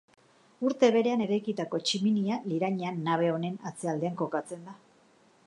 Urte berean eraikitako tximinia liraina nabe honen atzealdean kokatzen da.